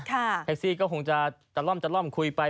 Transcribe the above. ท็คซี่ก็คงจะจำล่อมคุยไป